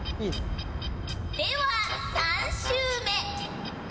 では３周目。